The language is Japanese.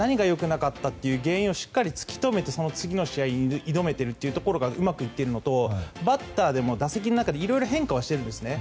なかったという原因をしっかり突き止めてその次の試合に挑むことがうまくいっているのとバッターでも打席の中でいろいろ変化しているんですね。